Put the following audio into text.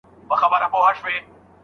ښار چي مو وران سو خو ملا صاحب په جار وويل